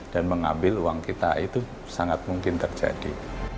mengambil uang kita itu sangat mungkin terjadi